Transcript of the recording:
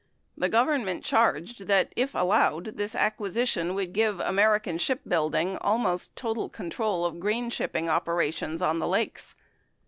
The Government charged that, if allowed, this acquisition would give American Ship Building almost total control of grain shipping opera tions on the lakes.